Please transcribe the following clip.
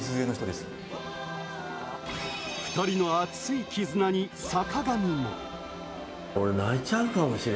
２人の熱い絆に坂上も。